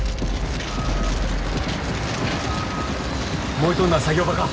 燃えとんのは作業場か。